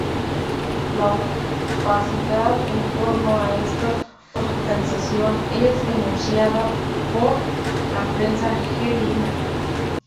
La opacidad en torno a esta hospitalización es denunciada por la prensa argelina.